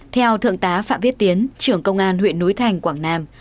theo thượng tá phạm viết tiến trưởng công an huyện núi thành quảng nam